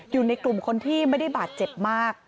อยู่ในกลุ่มคนที่ไม่ได้บาดเจ็บมาก